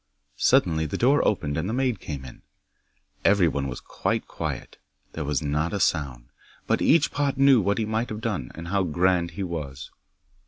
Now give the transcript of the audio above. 'Suddenly the door opened and the maid came in. Everyone was quite quiet. There was not a sound. But each pot knew what he might have done, and how grand he was.